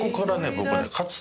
僕ね。